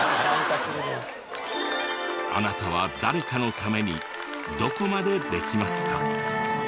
あなたは誰かのためにどこまでできますか？